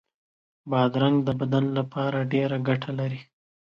بادرنګ د بدن لپاره ډېره ګټه لري.